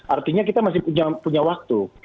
artinya kita masih punya waktu